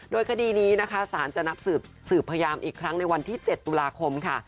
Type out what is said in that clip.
โดยคดีนี้นะคะสารจะนับสืบพยานอีกครั้งในวันที่๗ตุลาคมค่ะ